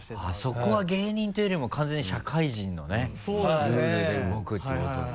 そこは芸人というよりも完全に社会人のねルールで動くということに。